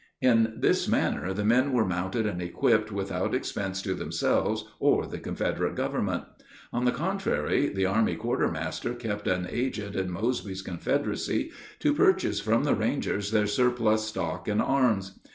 In this manner the men were mounted and equipped without expense to themselves or the Confederate Government. On the contrary, the army quartermaster kept an agent in Mosby's Confederacy, to purchase from the Rangers their surplus stock and arms.